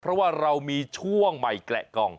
เพราะว่าเรามีช่วงใหม่แกะกล่อง